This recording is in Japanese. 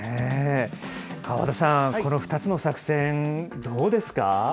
川畑さん、この２つの作戦、どうですか？